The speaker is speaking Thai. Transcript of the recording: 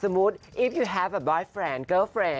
สมมุติถ้าเธอมีเพื่อนหรือเพื่อนหรือเพื่อนหรือ